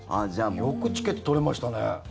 よくチケット取れましたね。